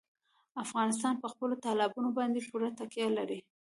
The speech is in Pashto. افغانستان په خپلو تالابونو باندې پوره تکیه لري.